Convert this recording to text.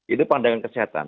itu pandangan kesehatan